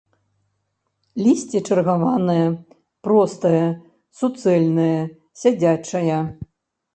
Лісце чаргаванае, простае, суцэльнае, сядзячае.